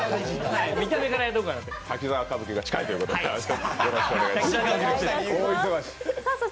滝沢歌舞伎が近いということで、大忙し。